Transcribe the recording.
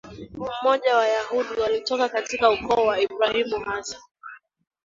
mmoja Wayahudi walitoka katika ukoo wa Ibrahimu hasa